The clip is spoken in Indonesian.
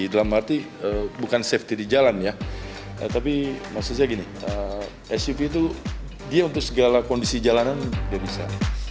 dalam arti bukan safety di jalan ya tapi maksud saya gini suv itu dia untuk segala kondisi jalanan dia bisa